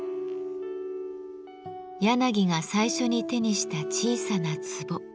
柳が最初に手にした小さな壺。